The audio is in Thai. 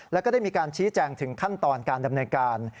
แล้วก็ได้มีการชี้แจงถึงขั้นตอนการดำเนินการ